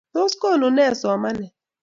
Tos konuu nee somanet?